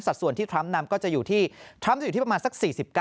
สัดส่วนที่ทรัมป์นำก็จะอยู่ที่ประมาณสัก๔๙